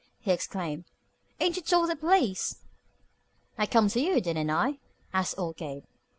he exclaimed. "Ain't you told the police?" "I come to you, didn't I?" asked old Gabe.